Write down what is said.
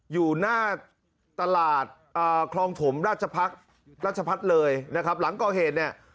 อยู่หน้าตลาดคลองถมราชพักษ์ราชพัฒน์เลยนะครับหลังก่อเหตุเนี่ย